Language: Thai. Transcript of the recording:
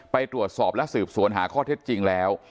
ไปตรวจสอบและสืบสวนหาข้อเท็จจริงแล้ว